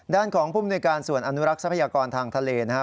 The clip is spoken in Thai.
ด้านของภูมิในการส่วนอนุรักษ์ทรัพยากรทางทะเลนะครับ